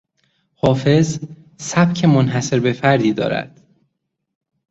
حافظ سبک منحصر بفردی دارد.